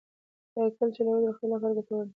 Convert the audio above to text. سایکل چلول د روغتیا لپاره ګټور دی.